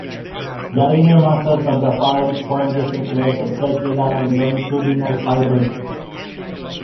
The inner muscles of the pharynx form different layers of circular and longitudinal fibers.